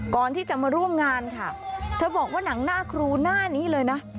ก่อนที่จะมาร่วมงานค่ะเธอบอกว่าหนังหน้าครูหน้านี้เลยนะ